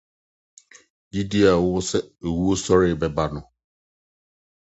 Gyidi a wowɔ sɛ owusɔre bɛba no